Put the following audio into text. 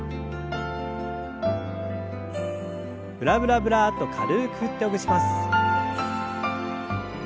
ブラブラブラッと軽く振ってほぐします。